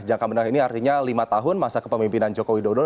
jangka menengah ini artinya lima tahun masa kepemimpinan joko widodo